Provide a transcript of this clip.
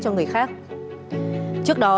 cho người khác trước đó